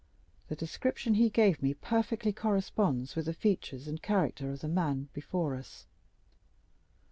The description he gave me perfectly corresponds with the features and character of the man before us.